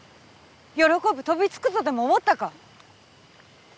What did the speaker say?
喜ぶ飛びつくとでも思ったか？